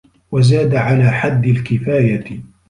وَزَادَ عَلَى حَدِّ الْكِفَايَةِ